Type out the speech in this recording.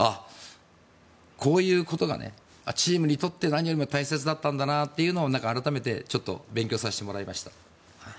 こういうことがチームにとって何よりも大切だったんだなと改めて、ちょっと勉強させてもらいました。